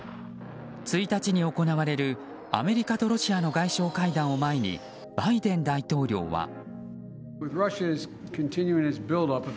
１日に行われるアメリカとロシアの外相会談を前にバイデン大統領は。